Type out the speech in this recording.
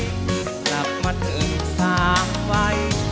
กลับมาเถิดสามไหว